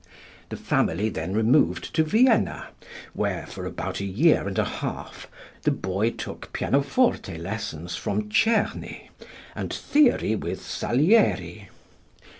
The family then removed to Vienna, where, for about a year and a half, the boy took pianoforte lessons from Czerny and theory with Salieri.